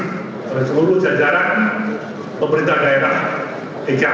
kepada seluruh jajaran pemerintah daerah dki jakarta